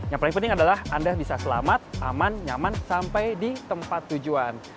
yang paling penting adalah anda bisa selamat aman nyaman sampai di tempat tujuan